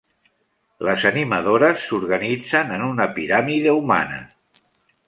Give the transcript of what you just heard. Les animadores s'organitzen en una piràmide humana.